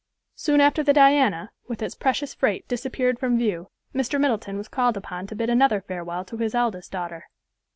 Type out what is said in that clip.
Soon after the Diana, with its precious freight disappeared from view, Mr. Middleton was called upon to bid another farewell to his eldest daughter.